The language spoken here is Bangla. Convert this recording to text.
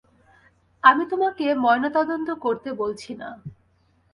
আমি তোমাকে ময়নাতদন্ত করতে বলছি না।